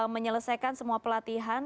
menyelesaikan semua pelatihan